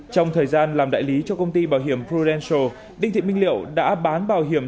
trong thời gian làm đại lý cho công ty bảo hiểm furantial đinh thị minh liệu đã bán bảo hiểm